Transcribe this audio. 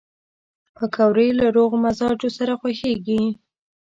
پکورې له روغ مزاجو سره خوښېږي